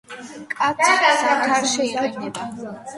მკაცრ ზამთარში იყინება.